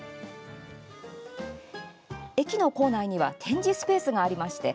駅の構内には展示スペースがありまして